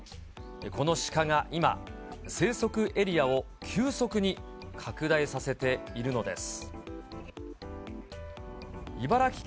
このシカが今、生息エリアを急速に拡大させているのです。